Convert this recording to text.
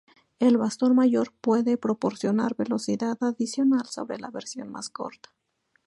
El bastón mayor puede proporcionar velocidad adicional sobre la versión más corta.